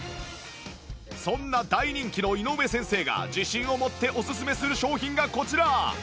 そんな大人気の井上先生が自信を持っておすすめする商品がこちら！